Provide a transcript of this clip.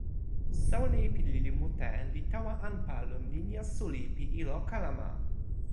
soweli pi lili mute li tawa anpa lon linja suli pi ilo kalama.